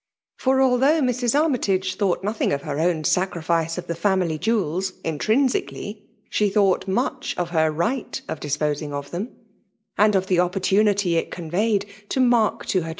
For although Mrs. Armytag^ though niothing of her own sacrifiee of tU jGMQily jewels* intrinsicatiy, she thought muoh fi her right of diqpoBing of them; and of the qUpQitUBity : it corn eyed to ipark to her chil?